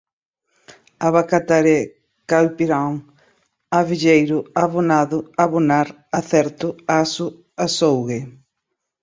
abacataré, caipirão, abelheiro, abonado, abonar, acerto, aço, açougue